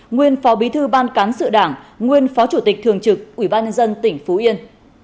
nguyên phó bí thư ban cán sự đảng nguyên phó chủ tịch thường trực ủy ban nhân dân tỉnh phú yên